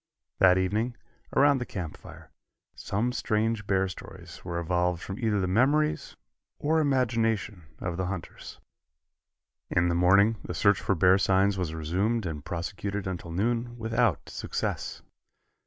That evening, around the camp fire, some strange bear stories were evolved from either the memories or imagination of the hunters. In the morning the search for bear signs was resumed and prosecuted until noon without success.